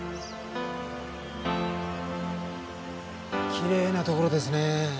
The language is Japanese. きれいなところですね。